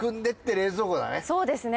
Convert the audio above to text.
そうですね